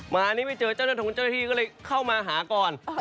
มาอันนี้ไม่เจอเจ้าหน้าทุกคนเจ้าหน้าที่ก็เลยเข้ามาหาก่อน